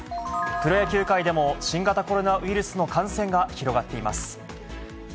プロ野球界でも、新型コロナウイルスの感染が広がっています。